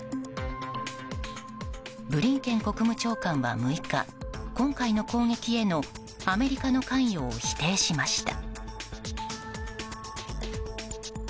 ブリンケン国務長官は６日今回の攻撃へのアメリカの関与を否定しました。